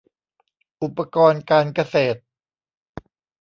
อุปกรณ์การเกษตร